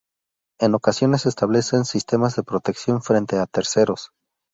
En ocasiones establecen sistemas de protección frente a terceros.